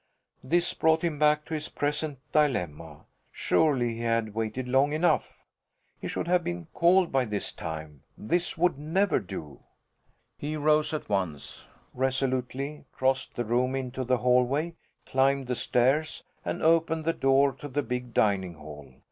This brought him back to his present dilemma. Surely he had waited long enough! He should have been called by this time. This would never do! He rose at once, resolutely crossed the room into the hallway, climbed the stairs, and opened the door to the big dining hall.